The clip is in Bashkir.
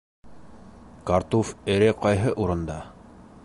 Картуф ере ҡайһы урында?